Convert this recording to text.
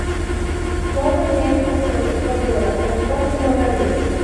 Слово имеет посол Эквадора Альфонсо Моралес.